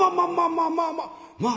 まあまあまあまあ。